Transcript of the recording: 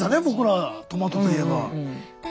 僕らトマトといえば。